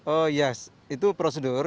oh ya itu prosedur